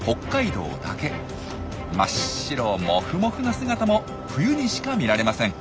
真っ白モフモフな姿も冬にしか見られません。